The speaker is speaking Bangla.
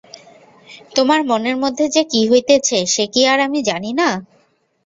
তোমার মনের মধ্যে যে কী হইতেছে সে কি আর আমি জানি না!